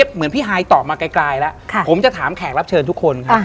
เหมือนพี่ฮายตอบมาไกลแล้วผมจะถามแขกรับเชิญทุกคนครับ